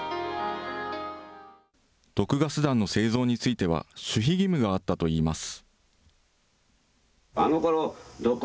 毒ガス弾の製造については守秘義務があったといいます。